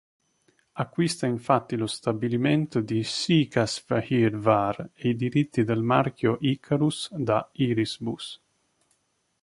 Acquista infatti lo stabilimento di Székesfehérvár e i diritti del marchio Ikarus da Irisbus.